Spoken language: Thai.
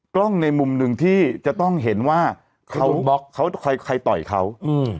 ในมุมหนึ่งที่จะต้องเห็นว่าเขาบล็อกเขาใครต่อยเขาอืม